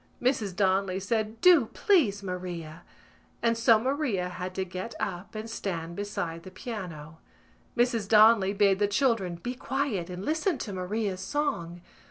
Mrs Donnelly said "Do, please, Maria!" and so Maria had to get up and stand beside the piano. Mrs Donnelly bade the children be quiet and listen to Maria's song.